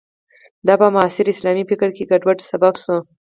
دا په معاصر اسلامي فکر کې ګډوډۍ سبب شو.